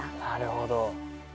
なるほど。